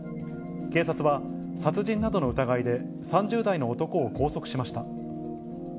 警察は、殺人などの疑いで、３０代の男を拘束しました。